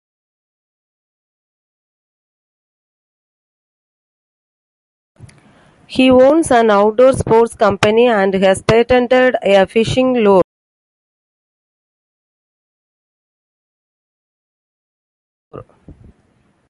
He owns an outdoor sports company and has patented a fishing lure.